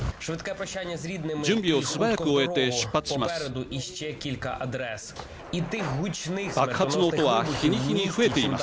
準備を素早く終えて出発します。